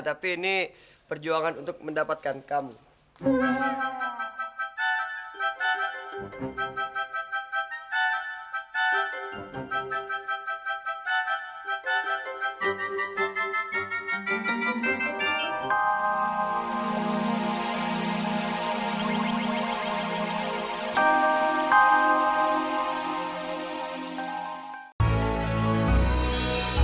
tapi ini perjuangan untuk mendapatkan kamu